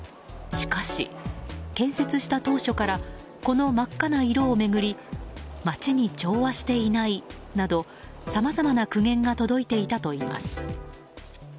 しかし、建設した当初からこの真っ赤な色を巡り街に調和していないなどさまざまな苦言が届いていたといいます。